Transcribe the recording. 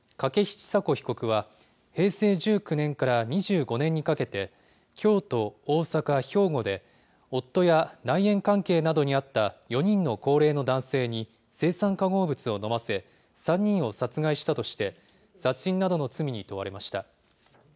筧千佐子被告は、平成１９年から２５年にかけて、京都、大阪、兵庫で、夫や内縁関係などにあった４人の高齢の男性に青酸化合物を飲ませ、３人を殺害したとして、殺人などの罪に問われました。